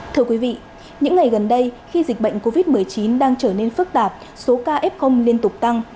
thưa quý vị những ngày gần đây khi dịch bệnh covid một mươi chín đang trở nên phức tạp số ca f liên tục tăng